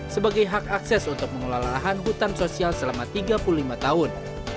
sebagai hak akses untuk mengelola lahan hutan sosial selama tiga puluh lima tahun